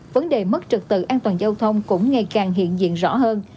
vấn đề mất trật tự an toàn giao thông cũng ngày càng hiện diện rõ hơn